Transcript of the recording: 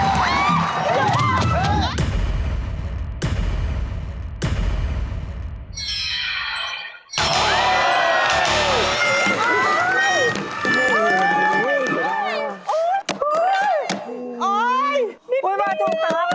มันต้องทั้งออก๓นัง